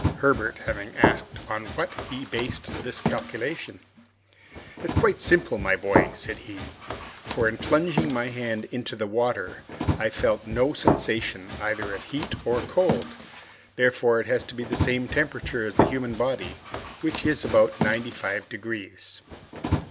Herbert having asked on what he based this calculation, "Its quite simple, my boy," said he, "for, in plunging my hand into the water, I felt no sensation either of heat or cold. Therefore it has the same temperature as the human body, which is about ninety five degrees."